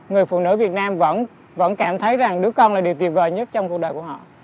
người phụ nữ việt nam vẫn cảm thấy rằng đứa con là điều tuyệt vời nhất trong cuộc đời của họ